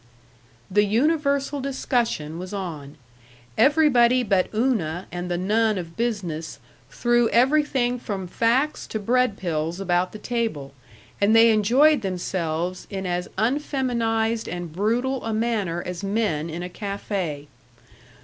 The universal discussion was on. Everybody but Una and the nun of business threw everything from facts to bread pills about the table, and they enjoyed themselves in as unfeminized and brutal a manner as men in a café.